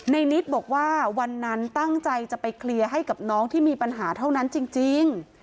นิดบอกว่าวันนั้นตั้งใจจะไปเคลียร์ให้กับน้องที่มีปัญหาเท่านั้นจริง